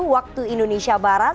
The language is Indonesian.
waktu indonesia barat